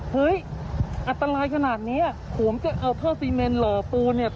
เฮ้ยอันตรายขนาดนี้ผมจะเอาท่อซีเมนหล่อปูนเนี่ย